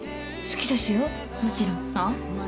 好きですよもちろん。は？